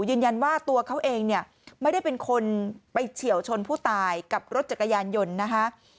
ยืนยันว่าตัวเขาเองเนี่ยไม่ได้เป็นคนไปเฉียวชนผู้ตายกับรถจักรยานยนต์นะคะ